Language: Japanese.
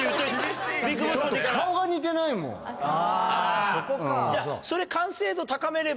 あそこか。